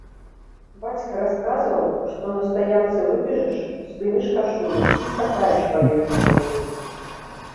Бацька расказваў, што на стаянцы выбежыш, здымеш кашулю і катаеш па ёй бутэлькай.